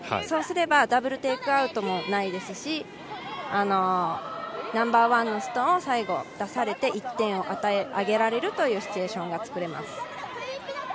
そうすればダブル・テイクアウトもないですし、ナンバーワンのストーンを最後、出されて１点を挙げられるというシチュエーションがつくれます。